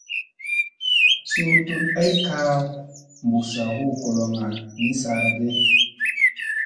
Suu tuɗ ay kaa bussa hu goloŋga ni saara ge ?